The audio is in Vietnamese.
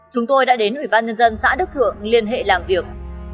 chúng tôi đã đến ủy ban nhân dân xã đức thượng liên hệ làm việc